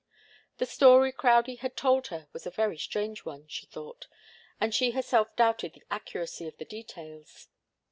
The story Crowdie had told her was a very strange one, she thought, and she herself doubted the accuracy of the details.